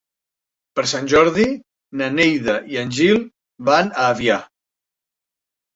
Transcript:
Per Sant Jordi na Neida i en Gil van a Avià.